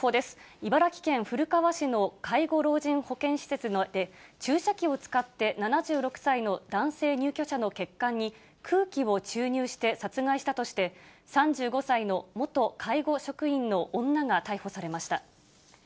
茨城県古河市の介護老人保健施設で、注射器を使って７６歳の男性入居者の血管に、空気を注入して殺害したとして、３５歳の元介護職員の女が逮捕されました。